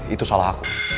itu salah aku